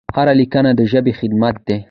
هره لیکنه د ژبې خدمت دی.